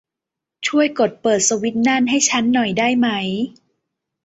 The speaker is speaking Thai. ช่วยกดเปิดสวิตซ์นั่นให้ชั้นหน่อยได้ไหม